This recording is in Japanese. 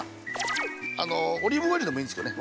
オリーブオイルでもいいんですけどね。